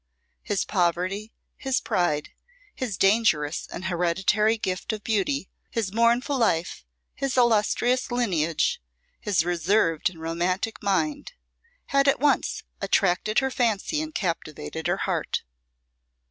His poverty, his pride, his dangerous and hereditary gift of beauty, his mournful life, his illustrious lineage, his reserved and romantic mind, had at once attracted her fancy and captivated her heart.